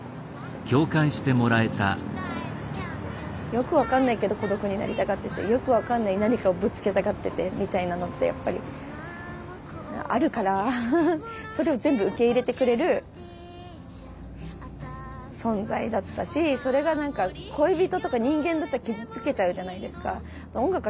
よく分かんないけど孤独になりたがっててよく分かんない何かをぶつけたがっててみたいなのってやっぱりあるからそれを全部受け入れてくれる存在だったしそれが恋人とか人間だったら傷つけちゃうじゃないですか。